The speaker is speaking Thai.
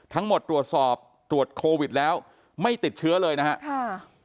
ทั้งหมดตรวจสอบตรวจโควิดแล้วไม่ติดเชื้อเลยนะครับ